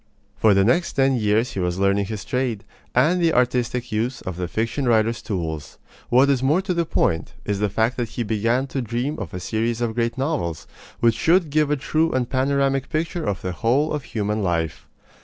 For the next ten years he was learning his trade, and the artistic use of the fiction writer's tools. What is more to the point, is the fact that he began to dream of a series of great novels, which should give a true and panoramic picture of the whole of human life.